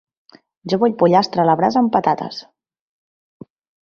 Jo vull pollastre a la brasa amb patates.